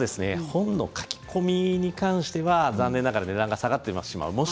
本の書き込みに関しては残念ながら値段が下がってしまう。